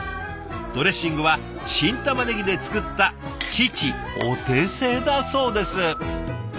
ドレッシングは新たまねぎで作った「父お手製」だそうです。